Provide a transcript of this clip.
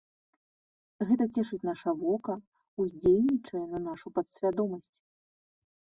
Гэта цешыць наша вока, уздзейнічае на нашу падсвядомасць.